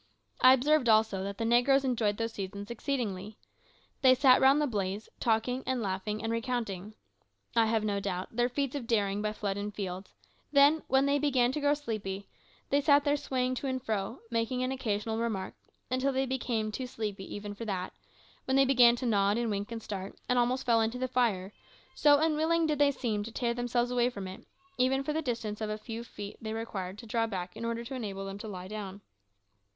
I observed, also, that the negroes enjoyed those seasons exceedingly. They sat round the blaze, talking and laughing, and recounting, I have no doubt, their feats of daring by flood and field; then, when they began to grow sleepy, they sat there swaying to and fro, making an occasional remark, until they became too sleepy even for that, when they began to nod and wink and start, and almost fell into the fire, so unwilling did they seem to tear themselves away from it, even for the distance of the few feet they required to draw back in order to enable them to lie down.